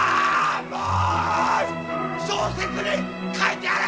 小説に書いてやる！